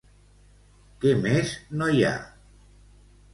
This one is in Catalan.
Què més no hi ha?